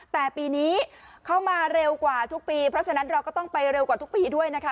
แต่ปีนี้เข้ามาเร็วกว่าทุกปีเพราะฉะนั้นเราก็ต้องไปเร็วกว่าทุกปีด้วยนะคะ